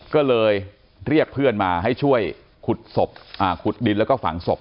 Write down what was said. ก็เลยเรียกเพื่อนมาให้ช่วยขุดดินแล้วก็ฝังศพ